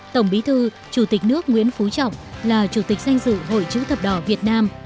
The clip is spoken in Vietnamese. tổng bí thư chủ tịch nước nguyễn phú trọng là chủ tịch danh dự hội chữ thập đỏ việt nam